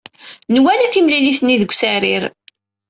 Nwala timlilit-nni deg usarir.